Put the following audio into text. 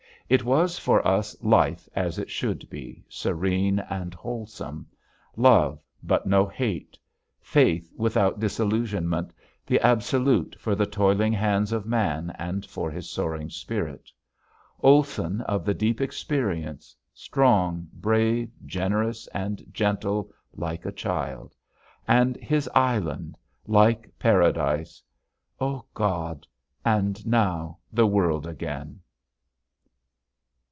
It was for us life as it should be, serene and wholesome; love but no hate, faith without disillusionment, the absolute for the toiling hands of man and for his soaring spirit. Olson of the deep experience, strong, brave, generous and gentle like a child; and his island like Paradise. Ah God, and now the world again!